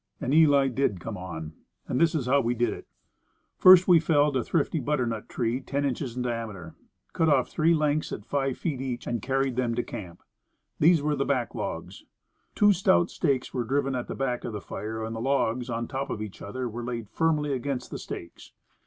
And Eli did come on. And this is how we did it: We first felled a thrifty butternut tree ten inches in diameter, cut off three lengths of five feet each, and carried them to camp. These were the back logs. Two stout stakes were driven at the back of the fire, and the logs, on top of each other, were laid firmly against the stakes.